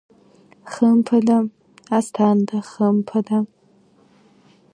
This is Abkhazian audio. Хымԥада, Асҭанда, хымԥада…